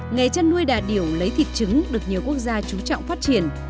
nghề chăn nuôi đà điểu lấy thịt trứng được nhiều quốc gia trú trọng phát triển